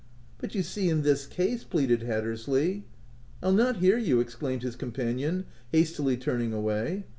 " But you see in this case/' pleaded Hat tersley — H Pll not hear you !" exclaimed his com panion, hastily turning away.